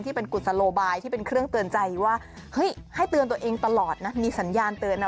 เป็นกุศโลบายที่เป็นเครื่องเตือนใจว่าเฮ้ยให้เตือนตัวเองตลอดนะมีสัญญาณเตือนนะ